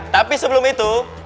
tapi sebelum itu